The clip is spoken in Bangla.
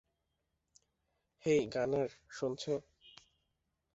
হেই, গানার, শুনছো?